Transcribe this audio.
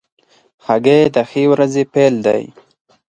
هګۍ د ښې ورځې پیل دی.